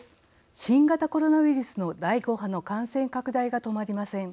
新型コロナウイルスの第５波の感染拡大がとまりません。